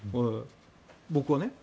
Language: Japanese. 僕はね。